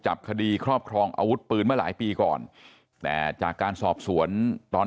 จับคดีครอบครองอาวุธปืนเมื่อหลายปีก่อนแต่จากการสอบสวนตอน